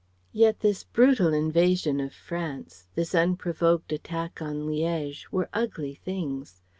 Yet this brutal invasion of France, this unprovoked attack on Liège were ugly things.